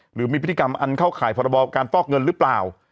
หรือมีพฤติกรรมอันเข้าข่ายพรบการฟอกเงินหรือเปล่า